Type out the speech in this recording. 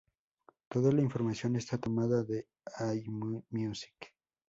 Toda la información está tomada de Allmusic.